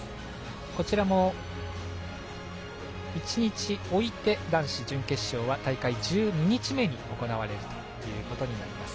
こちらも１日置いて男子準決勝は大会１２日目に行われるということになります。